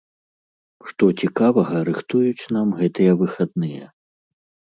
Што цікавага рыхтуюць нам гэтыя выхадныя?